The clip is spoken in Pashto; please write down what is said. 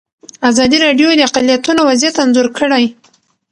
ازادي راډیو د اقلیتونه وضعیت انځور کړی.